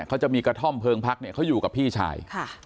เขาจะมีกระท่อมเพลิงพักเนี่ยเขาอยู่กับพี่ชาย